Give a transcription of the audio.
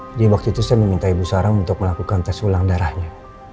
waktu itu saya meminta ibu sarang untuk melakukan tes ulang darahnya